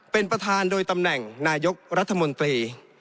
เป็นประธานโดยตำแหน่งนายกรัฐมนตรี